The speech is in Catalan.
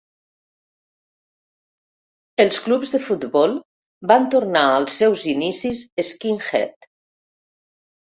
Els clubs de futbol van tornar als seus inicis skinhead.